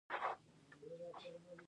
د اوږې د نیول کیدو لپاره ګرم شاور واخلئ